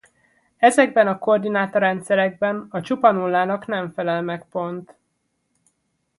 Ezekben a koordináta-rendszerekben a csupa nullának nem felel meg pont.